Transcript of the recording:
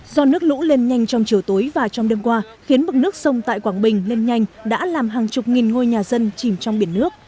do nước lũ lên nhanh trong chiều tối và trong đêm qua khiến mực nước sông tại quảng bình lên nhanh đã làm hàng chục nghìn ngôi nhà dân chìm trong biển nước